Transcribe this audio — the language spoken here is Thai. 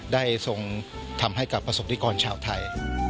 ทรงทำให้กับประสบนิกรชาวไทย